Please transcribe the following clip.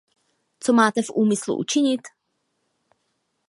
Co máte v úmyslu učinit?